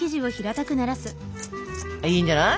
いいんじゃない？